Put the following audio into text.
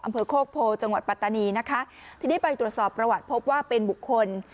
อำเภอโคกโพจังหวัดปัตตานีนะคะทีนี้ไปตรวจสอบประวัติพบว่าเป็นบุคคล